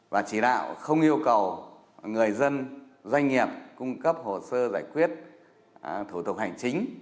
và chỉ đạo không yêu cầu người dân doanh nghiệp cung cấp hồ sơ giải quyết thủ tục hành chính